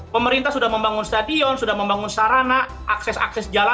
pemerintah sudah membangun stadion sudah membangun sarana akses akses dan lain lain